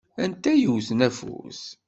Anta i yewwten afus?